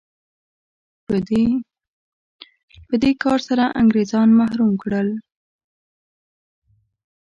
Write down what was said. په دې کار سره انګرېزان محروم کړل.